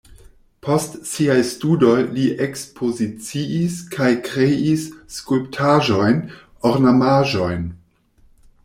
Post siaj studoj li ekspoziciis kaj kreis skulptaĵojn, ornamaĵojn.